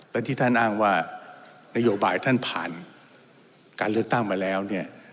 และที่ท่านอ้างว่านโยบายท่านผ่านการเลือกตั้งมาแล้วเนี่ย